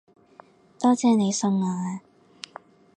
多謝你送我啊